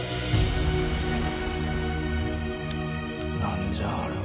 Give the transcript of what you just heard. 何じゃあれは。